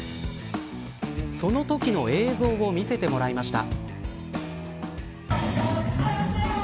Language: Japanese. そのときの映像を見せてもらいました。